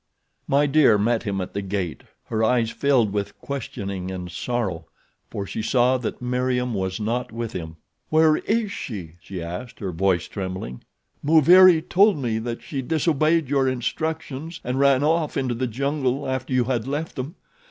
My Dear met him at the gate, her eyes filled with questioning and sorrow, for she saw that Meriem was not with him. "Where is she?" she asked, her voice trembling. "Muviri told me that she disobeyed your instructions and ran off into the jungle after you had left them.